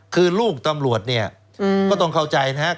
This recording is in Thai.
คือลูกตำรวจเนี่ยก็ต้องเข้าใจนะครับ